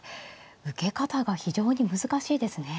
受け方が非常に難しいですね。